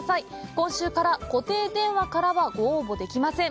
今週から固定電話からはご応募できません。